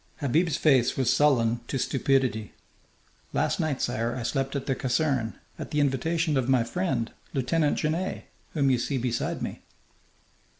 Habib's face was sullen to stupidity. "Last night, sire, I slept at the caserne, at the invitation of my friend, Lieutenant Genet, whom you see beside me."